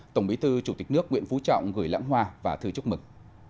tổng bí thư chủ tịch nước nguyễn phú trọng gửi lãng hoa và thư chúc mừng